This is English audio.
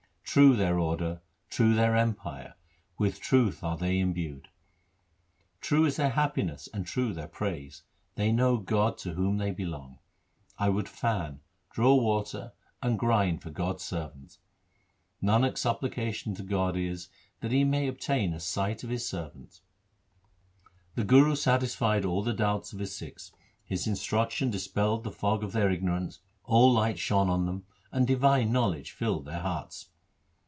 True their order ; true their empire ; with truth are they imbued. True is their happiness, and true their praise ; they know God to whom they belong. I would fan, draw water, and grind for God's servant. Nanak's supplication to God is, that he may obtain a sight of His servant. 1 The Guru satisfied all the doubts of his Sikhs. His instruction dispelled the fog of their ignorance, all light shone on them, and divine knowledge filled their hearts.